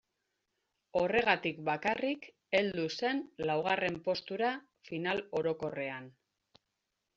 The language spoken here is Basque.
Horregatik bakarrik heldu zen laugarren postura final orokorrean.